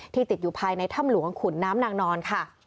ติดอยู่ภายในถ้ำหลวงขุนน้ำนางนอนค่ะ